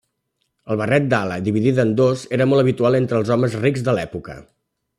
El barret d'ala dividida en dos era molt habitual entre els homes rics de l'època.